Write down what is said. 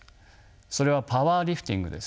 それはパワーリフティングです。